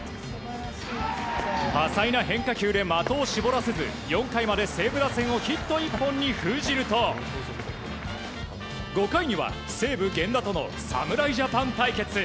多彩な変化球で的を絞らせず４回まで西武打線をヒット１本に封じ込めると５回には西武、源田との侍ジャパン対決。